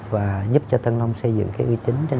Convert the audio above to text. và giúp cho tân long xây dựng uy tín trên thị trường